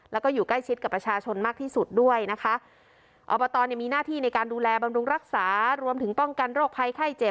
แล้วก็อยู่ใกล้ชิดกับประชาชนมากที่สุดด้วยนะคะอบตเนี่ยมีหน้าที่ในการดูแลบำรุงรักษารวมถึงป้องกันโรคภัยไข้เจ็บ